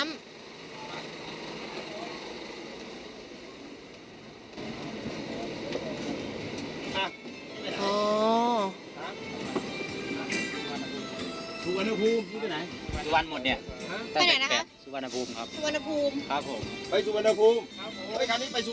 มีเสียงวิทยุหน่อย